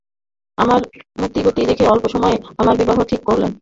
আমার মতিগতি দেখে অল্প বয়সেই আমার বিবাহ ঠিক করলেন।